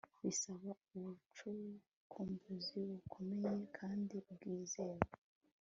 bisaba ubucukumbuzi bukomeeye kandi bwizewe